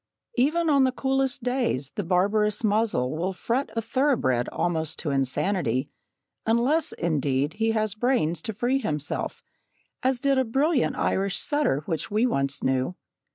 Even on the coolest days, the barbarous muzzle will fret a thoroughbred almost to insanity, unless, indeed, he has brains to free himself, as did a brilliant Irish setter which we once knew.